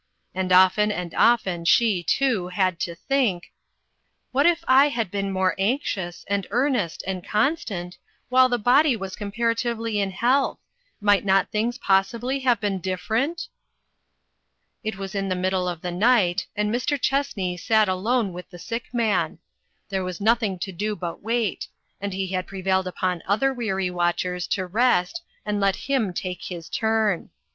And often and often she, too, had to think :" What if I had been more anxious, and earnest, and constant, while the body was comparatively in health might not things possibly have been different ?" It was in the middle of the night, and Mr. Chessney sat alone with the sick man. There was nothing to do but wait, and he had prevailed upon other weary watchers to rest, and let him take his turn.